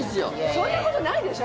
そんなことないでしょ！